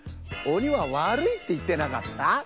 「おにはわるい」っていってなかった？